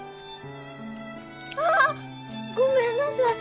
あ！ごめんなさい。